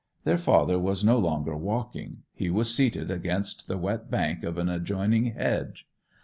Their father was no longer walking; he was seated against the wet bank of an adjoining hedge.